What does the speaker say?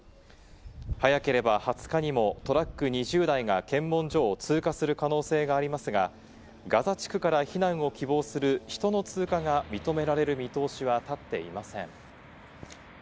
早ければ２０日にもトラック２０台が検問所を通過する可能性がありますが、ガザ地区から避難を希望する人の通過が認められる見通しは立っていません。